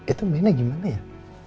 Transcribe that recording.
itu mainnya gimana ya